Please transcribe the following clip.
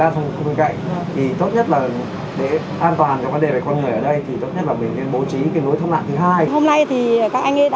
thì tốt nhất là để an toàn cho quan điểm về con người ở đây thì tốt nhất là mình nên bố trí cái lối thắt nạn thứ hai